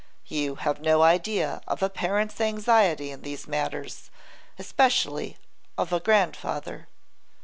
You have no idea of a parent's anxiety in these matters, especially of a grandfather.